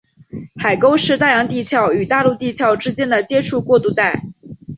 海沟是大洋地壳与大陆地壳之间的接触过渡带。